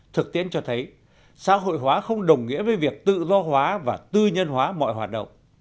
thực tiễn cho thấy xã hội hóa không đồng nghĩa với việc tự do hóa và tư nhân hóa mọi hoạt động